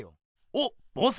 おっボス！